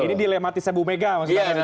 ini dilematisnya bu mega maksudnya